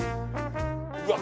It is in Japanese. うわっ！